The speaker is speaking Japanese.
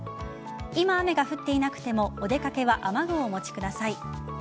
今、雨が降っていなくてもお出掛けは雨具をお持ちください。